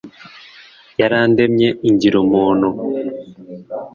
yarandemye ingira umuntu